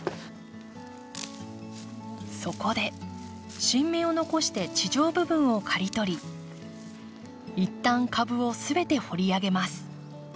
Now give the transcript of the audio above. そこで新芽を残して地上部分を刈り取り一旦株を全て掘り上げます。